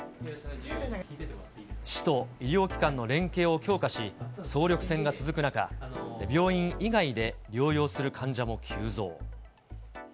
市と医療機関の連携を強化し、総力戦が続く中、病院以外で療養する患者も急増。